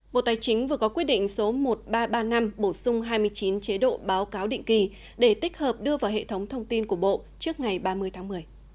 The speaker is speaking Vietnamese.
bộ tài chính vừa có quyết định số một nghìn ba trăm ba mươi năm bổ sung hai mươi chín chế độ báo cáo định kỳ để tích hợp đưa vào hệ thống thông tin của bộ trước ngày ba mươi tháng một mươi